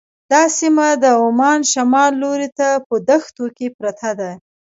دا سیمه د عمان شمال لوري ته په دښتو کې پرته ده.